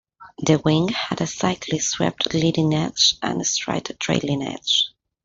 The wing had a slightly swept leading edge and a straight trailing edge.